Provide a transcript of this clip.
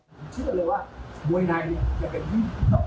เชื่อเลยว่ามวยไทยจะเป็นที่ต้องการขึ้นต่างโลก